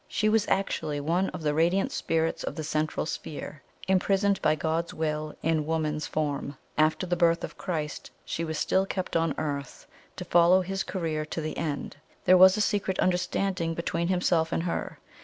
She was actually one of the radiant Spirits of the Central Sphere, imprisoned by God's will in woman's form. After the birth of Christ, she was still kept on earth, to follow His career to the end. There was a secret understanding between Himself and her.